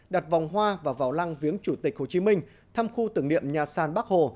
đặt vòng hoa và vào lăng viếng chủ tịch hồ chí minh thăm khu tưởng niệm nhà sàn bắc hồ